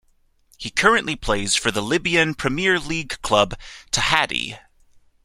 He currently plays for the Libyan Premier League club Tahaddy.